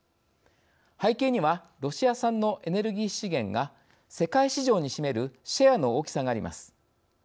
背景にはロシア産のエネルギー資源が世界市場に占めるシェアの大きさがあります。